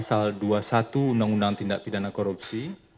selain itu terhadap mn sebelumnya kpk juga mengubahnya